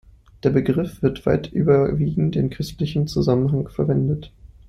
Der Begriff wird weit überwiegend in christlichem Zusammenhang verwendet.